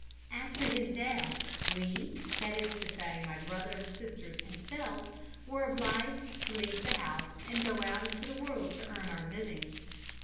"After his death we that is to say, my brother, sisters and self were obliged to leave the house and go out into the world to earn our living.